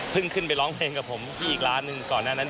เพิ่งขึ้นไปร้องเพลงกับผมอีกร้านนึงก่อนหน้านั้นเอง